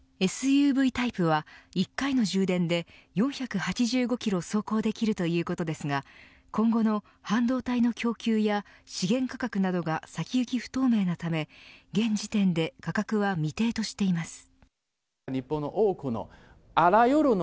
ＳＵＶタイプは１回の充電で４８５キロ走行できるということですが今後の半導体の供給や資源価格などが先行き不透明なため現時点で価格は未定としています。